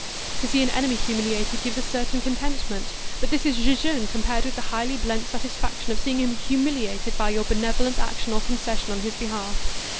To see an enemy humiliated gives a certain contentment, but this is jejune compared with the highly blent satisfaction of seeing him humiliated by your benevolent action or concession on his behalf.